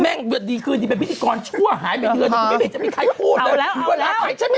แม่งดีคืนนี่เป็นพิธีกรชั่วหายไปเดือนไม่มีใครโทษเลย